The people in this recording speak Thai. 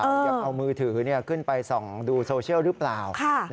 ยังเอามือถือขึ้นไปส่องดูโซเชียลหรือเปล่า